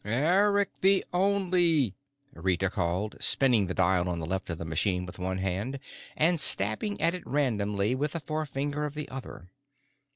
"Eric the Only," Rita called, spinning the dial on the left of the machine with one hand and stabbing at it randomly with the forefinger of the other.